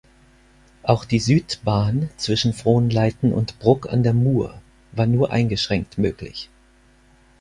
Auch die Südbahn zwischen Frohnleiten und Bruck an der Mur war nur eingeschränkt möglich.